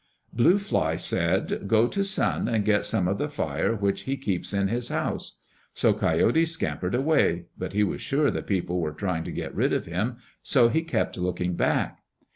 Blue Fly said, "Go to Sun and get some of the fire which he keeps in his house," So Coyote scampered away, but he was sure the people were trying to get rid of him so he kept looking back.